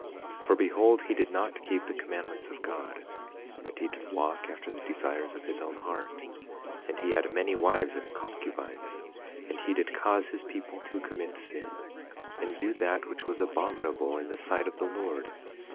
11:2 For behold, he did not keep the commandments of God, but he did walk after the desires of his own heart. And he had many wives and concubines. And he did cause his people to commit sin, and do that which was abominable in the sight of the Lord.